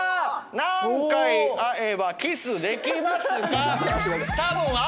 「何回会えばキスできますか？」。